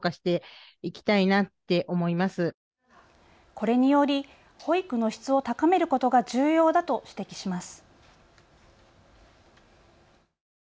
これにより保育の質を高めることが重要だと指摘します。